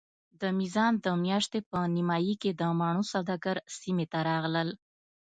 د میزان د میاشتې په نیمایي کې د مڼو سوداګر سیمې ته راغلل.